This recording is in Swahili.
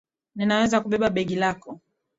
Ninaweza kubeba begi lako.